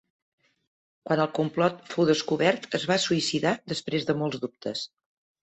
Quan el complot fou descobert es va suïcidar després de molts dubtes.